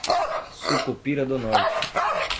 Sucupira do Norte